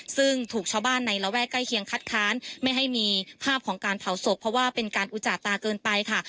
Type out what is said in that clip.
ซึ่งถูกชาวบ้านในระแวกใกล้เคียงคัดค้านไม่ให้มีภาพของการเผาศพเพราะว่าเป็นการอุจจาตาเกินไปค่ะ